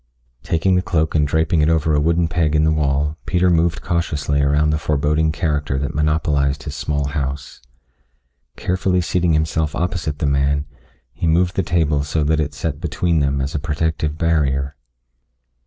Taking the cloak and draping it over a wooden peg in the wall, Peter moved cautiously around the foreboding character that monopolized his small house. Carefully seating himself opposite the man, he moved the table so that it set between them as a protective barrier.